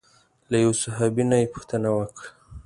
له یوه صحابي نه یې پوښتنه وکړه.